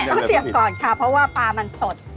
ต้องเสียบก่อนค่ะเพราะว่าปลามันสด